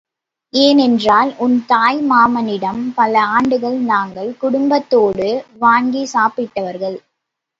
ஏனென்றால் உன் தாய் மாமனிடம் பல ஆண்டுகள் நாங்கள் குடும்பத்தோடு வாங்கிச் சாப்பிட்டவர்கள்.